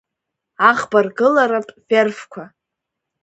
Аӷбаргыларатә верфқәа…